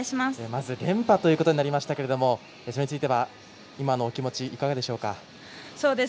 まず連覇ということになりましたけれどもそれについては、今のお気持ちいかがでしょうか？